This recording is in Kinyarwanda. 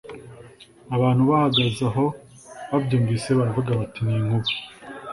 «Abantu bahagaze aho babyumvise baravuga bati: Ni inkuba,